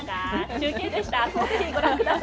中継でした。